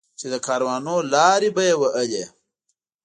چې د کاروانونو لارې به یې وهلې.